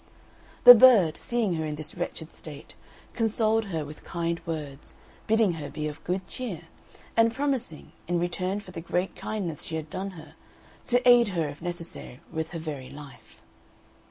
The bird, seeing her in this wretched state, consoled her with kind words, bidding her be of good cheer, and promising, in return for the great kindness she had done for her, to aid her if necessary with her very life.